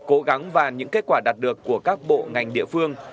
cố gắng và những kết quả đạt được của các bộ ngành địa phương